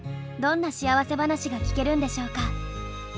どんな幸せ話が聞けるんでしょうか？